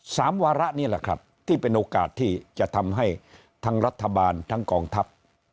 วาระนี่แหละครับที่เป็นโอกาสที่จะทำให้ทั้งรัฐบาลทั้งกองทัพ